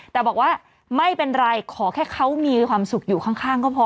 แต่บอกว่าไม่เป็นไรขอแค่เขามีความสุขอยู่ข้างก็พอ